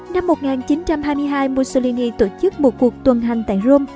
năm một nghìn chín trăm hai mươi hai mussolini tổ chức một cuộc tuần hành tại rome